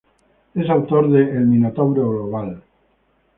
Es autor de "El minotauro global".